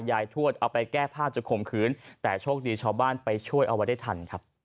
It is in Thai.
ทวดเอาไปแก้ผ้าจะข่มขืนแต่โชคดีชาวบ้านไปช่วยเอาไว้ได้ทันครับ